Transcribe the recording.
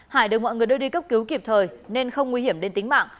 hải được mọi người đưa đi cấp cứu kịp thời nên không nguy hiểm đến tính mạng